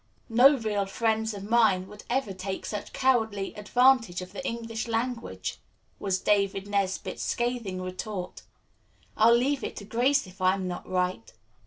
"No real friend of mine would ever take such cowardly advantage of the English language," was David Nesbit's scathing retort. "I'll leave it to Grace if I'm not right."